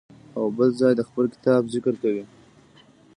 او بل ځای د خپل کتاب ذکر کوي.